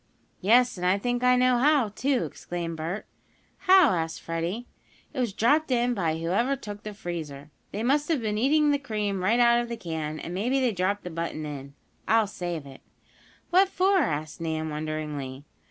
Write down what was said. "Yes, and I think I know how, too!" exclaimed Bert. "How?" asked Freddie. "It was dropped in by whoever took the freezer. They must have been eating the cream right out of the can, and maybe they dropped the button in. I'll save it." "What for?" asked Nan, wonderingly.